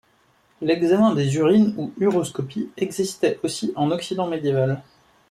L'examen des urines ou uroscopie existait aussi en Occident médiéval.